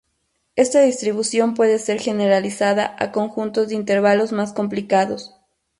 Esta distribución puede ser generalizada a conjuntos de intervalos más complicados.